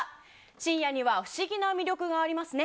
深夜には不思議な魅力がありますね。